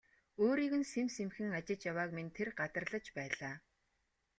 Өөрийг нь сэм сэмхэн ажиж явааг минь тэр гадарлаж байлаа.